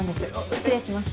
失礼します。